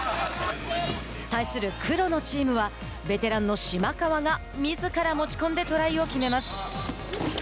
対する黒のチームはベテランの島川がみずから持ち込んでトライを決めます。